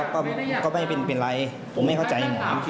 ผมไม่มี